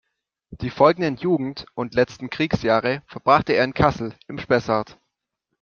Die folgenden Jugend- und letzten Kriegsjahre verbrachte er in Kassel im Spessart.